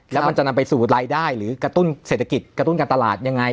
แล้วมันจะนำไปสู่รายได้หรือกระตุ้นเศรษฐกิจกระตุ้นการตลาดยังไง